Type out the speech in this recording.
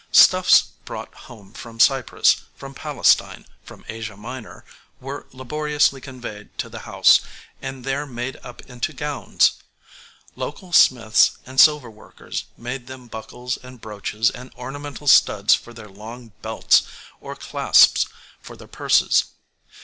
Stuffs brought home from Cyprus, from Palestine, from Asia Minor, were laboriously conveyed to the house, and there made up into gowns. Local smiths and silver workers made them buckles and brooches and ornamental studs for their long belts, or clasps for their purses.